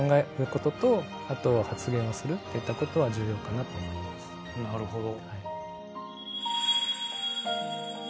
なるほど。